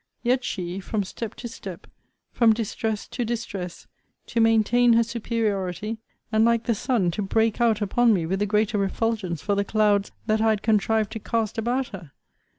Yet she, from step to step, from distress to distress, to maintain her superiority; and, like the sun, to break out upon me with the greater refulgence for the clouds that I had contrived to cast about her!